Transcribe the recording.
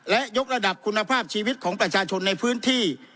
และยกระดับคุณภาพชีวิตของประชาชนในพื้นที่